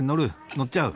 乗っちゃう？